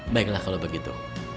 baiklah kalau begitu